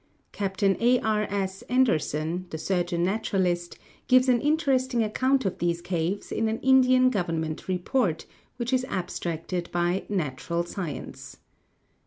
Capt. A. R. S. Anderson, the surgeon naturalist, gives an interesting account of these caves in an Indian government report which is abstracted by "Natural Science."